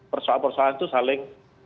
persoalan persoalan itu saling